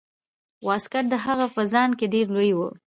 واسکټ د هغه په ځان کې ډیر لوی و.